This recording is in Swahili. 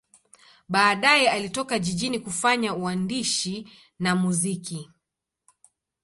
Baadaye alitoka jijini kufanya uandishi na muziki.